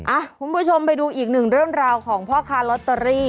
คุณผู้ชมไปดูอีกหนึ่งเรื่องราวของพ่อค้าลอตเตอรี่